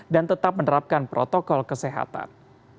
dan tetap menerapkan protokol kesehatan